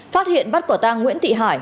phát hiện bắt quả tang nguyễn thị hải